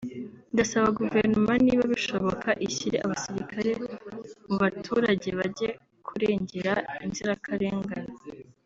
ndasaba guverinoma niba bishoboka ishyire abasirikare mu baturage bajye kurengera inzirakarengane